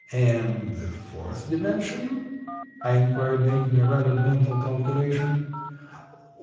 "And the fourth dimension?" I inquired, making a rapid mental calculation.